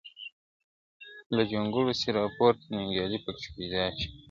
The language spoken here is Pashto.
له جونګړو سي را پورته ننګیالی پکښی پیدا کړي !.